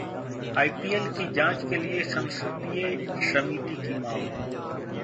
IPL की जांच के लिए संसदीय समिति की मांग